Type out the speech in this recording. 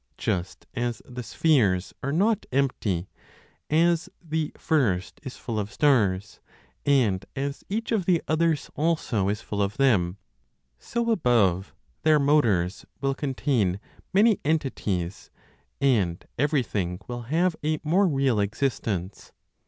Just as the spheres are not empty, as the first is full of stars, and as each of the others also is full of them, so above their motors will contain many entities, and everything will have a more real existence.